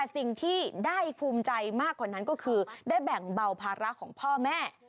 สิ่งที่ได้ภูมิใจมากกว่านั้นก็คือได้แบ่งเบาภาระของพ่อแม่